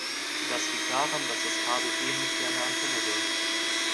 Das liegt daran, dass das Kabel ähnlich wie eine Antenne wirkt.